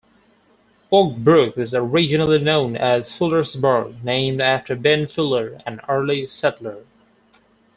Oak Brook was originally known as Fullersburg, named after Ben Fuller, an early settler.